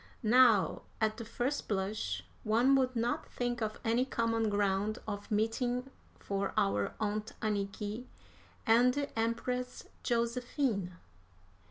Now, at the first blush, one would not think of any common ground of meeting for our Aunt Anniky and the Empress Josephine.